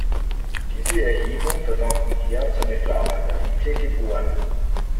Diese Erhebung verdankten er und seine Frau Margarethe, geb.